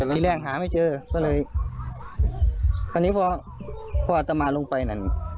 ทีแรกหาไม่เจอก็เลยคราวนี้พอพออัตมาลงไปนั่น